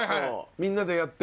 みんなでやって。